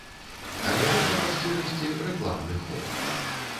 Але гэта, па шчырасці, рэкламны ход.